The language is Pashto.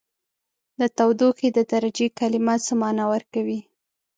د تودوخې د درجې کلمه څه معنا ورکوي؟